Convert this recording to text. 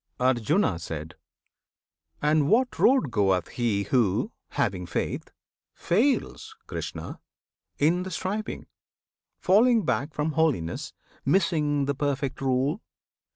Arjuna. And what road goeth he who, having faith, Fails, Krishna! in the striving; falling back From holiness, missing the perfect rule?